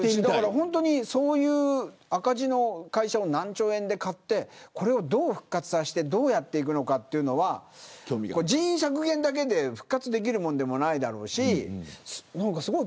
本当に、そういう赤字の会社を何兆円で買ってどう復活させてどうやっていくのかというのは人員削減だけで復活できるものでもないだろうし。